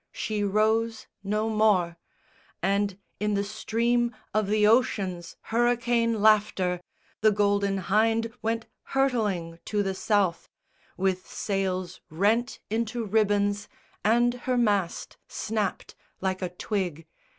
She rose no more, And in the stream of the ocean's hurricane laughter The Golden Hynde went hurtling to the South, With sails rent into ribbons and her mast Snapt like a twig.